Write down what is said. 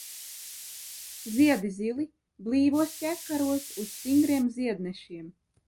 Ziedi zili, blīvos ķekaros uz stingriem ziednešiem.